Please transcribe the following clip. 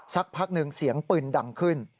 สักพักหนึ่งเสียงปืนดังขึ้น